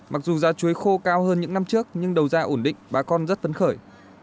mặc dù giá chuối khô cao hơn những năm trước nhưng đầu ra ổn định bà con rất phấn khởi